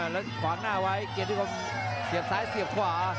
แล้วขวางหน้าไว้เกียรติคมเสียบซ้ายเสียบขวา